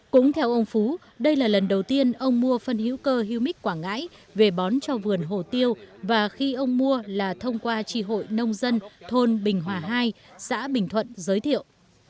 cũng theo ông phú đây là lần đầu tiên ông mua phân hữu cơ humic quảng ngãi về bón cho vườn hồ tiêu và khi ông mua là thông qua tri hội nông dân thôn bình hòa hai xã bình thuận giới thiệu